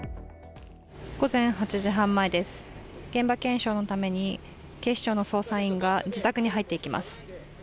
午前８時半前です、現場検証のために警視庁の捜査員が自宅に入っていきます。